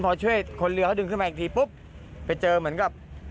พอช่วยคนเรือเขาดึงขึ้นมาอีกทีปุ๊บไปเจอเหมือนกับ